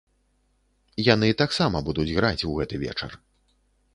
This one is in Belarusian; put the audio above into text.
Яны таксама будуць граць у гэты вечар.